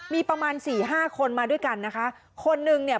มีประมาณสี่ห้าคนมาด้วยกันนะคะคนนึงเนี่ย